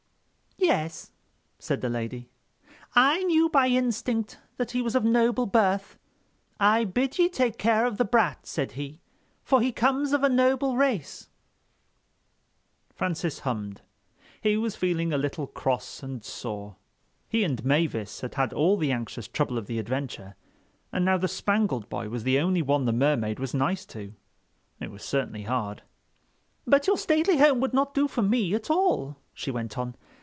"Yes," said the lady. "I knew by instinct that he was of noble birth." "'I bid ye take care of the brat,' said he, 'For he comes of a noble race,'" Francis hummed. He was feeling a little cross and sore. He and Mavis had had all the anxious trouble of the adventure, and now the Spangled Boy was the only one the Mermaid was nice to. It was certainly hard. "But your stately home would not do for me at all," she went on.